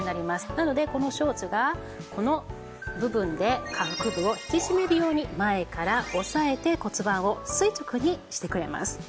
なのでこのショーツがこの部分で下腹部を引き締めるように前から押さえて骨盤を垂直にしてくれます。